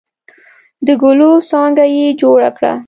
د ګلو څانګه یې جوړه کړه.